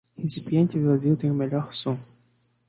Recipiente vazio tem o melhor som.